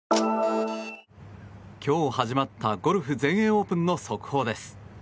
今日始まったゴルフ全英オープンの速報です。